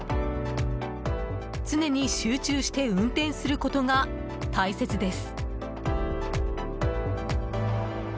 常に集中して運転することが大切です。